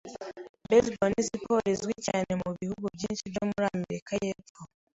Baseball ni siporo izwi cyane mu bihugu byinshi byo muri Amerika y'Epfo.